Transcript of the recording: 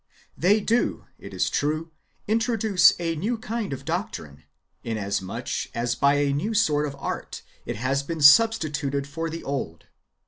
They do, it is true, introduce a new kind of doctrine, inasmuch as by a new sort of art it has been substituted [for the old].